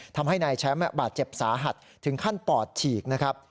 ทำให้นายแชมป์บาดเจ็บสาหัสถึงขั้นปอดฉีกนะครับ